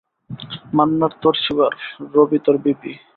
মান্নার তোর শ্যুগার, রভি তোর বিপি।